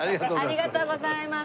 ありがとうございます。